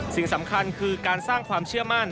สิ่งสำคัญคือการสร้างความเชื่อมั่น